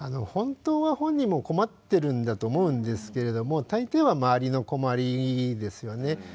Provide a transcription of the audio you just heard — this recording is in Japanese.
本当は本人も困ってるんだと思うんですけれども大抵は周りの困りですよね。